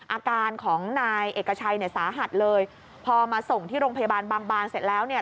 อาการของนายเอกชัยเนี่ยสาหัสเลยพอมาส่งที่โรงพยาบาลบางบานเสร็จแล้วเนี่ย